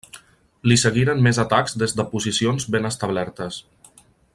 Li seguiren més atacs des de posicions ben establertes.